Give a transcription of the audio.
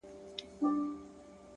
o ژوند سرینده نه ده؛ چي بیا یې وږغوم؛